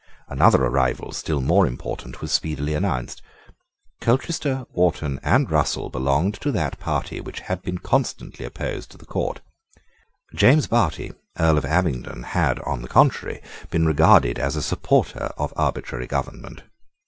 Another arrival still more important was speedily announced. Colchester, Wharton, and Russell belonged to that party which had been constantly opposed to the court. James Bertie, Earl of Abingdon, had, on the contrary, been regarded as a supporter of arbitrary government.